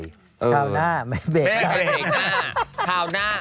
ครามหน้ามันเบรกแล้ว